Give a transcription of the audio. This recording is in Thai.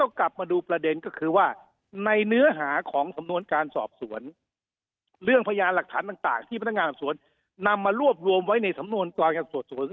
นำมารวบรวมไว้ในสำนวนการการสอบสวน